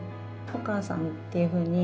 「お母さん」っていうふうに。